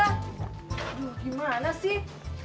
aduh gimana sih